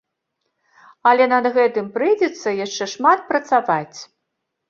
Але над гэтым прыйдзецца яшчэ шмат працаваць.